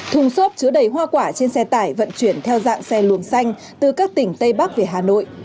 thùng xốp chứa đầy hoa quả trên xe tải vận chuyển theo dạng xe luồng xanh từ các tỉnh tây bắc về hà nội